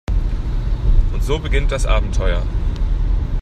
Und so beginnt das Abenteuer.